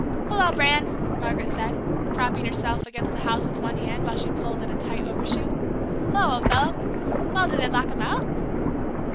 "Hello, Bran!" Margaret said, propping herself against the house with one hand, while she pulled at a tight overshoe. "Hello, old fellow! Well, did they lock him out?"